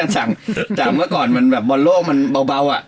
จากเมื่อก่อนมันแบบบอลโลกมันเบาอ่ะ